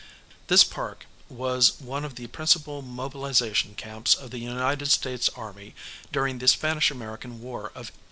this park was one of the principal mobilization camps of the United States army during the Spanish American War of 1898.